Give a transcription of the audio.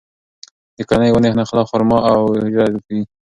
د کورنۍ ونې نخله، خورما او خجوره لري.